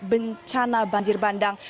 bencana banjir bandang